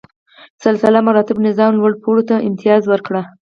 سلسله مراتبو نظام لوړ پوړو ته امتیاز ورکړ.